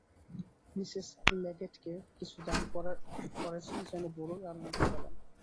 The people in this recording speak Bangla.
মিসেস লেগেটকে কিছু দান করেছেন জেনে বড়ই আনন্দ পেলাম।